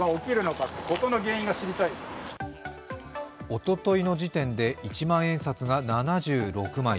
おとといの時点で一万円札が７６枚。